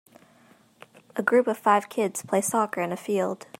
A group of five kids play soccer in a field.